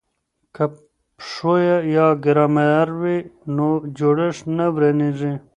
که پښویه یا ګرامر وي نو جوړښت نه ورانیږي.